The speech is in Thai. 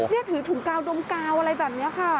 นี่ถือถุงกาวดมกาวอะไรแบบนี้ค่ะ